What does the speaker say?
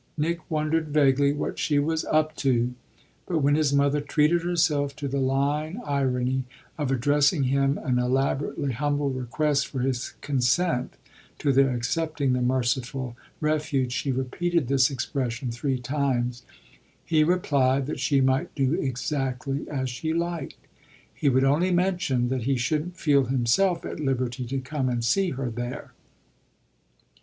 Nick wondered vaguely what she was "up to"; but when his mother treated herself to the line irony of addressing him an elaborately humble request for his consent to their accepting the merciful refuge she repeated this expression three times he replied that she might do exactly as she liked: he would only mention that he shouldn't feel himself at liberty to come and see her there.